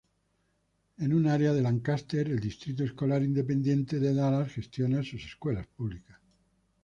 En un área de Lancaster, el Distrito Escolar Independiente de Dallas gestiona escuelas públicas.